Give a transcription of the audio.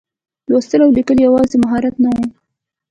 لوستل او لیکل یوازې مهارت نه و.